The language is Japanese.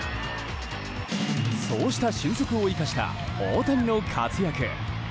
そうした俊足を生かした大谷の活躍。